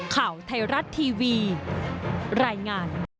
ข่าวไทยรัฐทีวีรายงาน